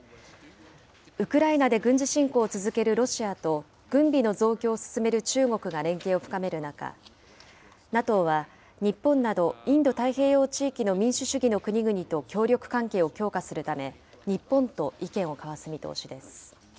ウクライナで軍事侵攻を続けるロシアと、軍備の増強を進める中国が連携を深める中、ＮＡＴＯは日本などインド太平洋地域の民主主義の国々と協力関係を強化するため、日本と意見を交わす見通しです。